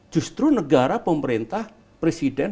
justru negara pemerintah presiden